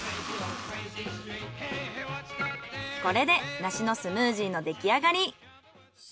これで梨のスムージーのできあがり。